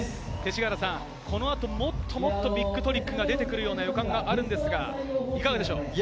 勅使川原さん、この後、もっともっとビッグトリックが出てくる予感があるんですが、いかがでしょうか？